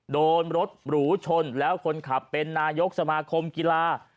โดนรถหรูชนแล้วคนขับเป็นนายกสมาคมกีฬา